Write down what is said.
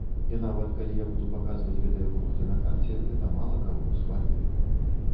І нават калі я буду паказваць гэтыя пункты на карце, гэта мала каго ўсхвалюе.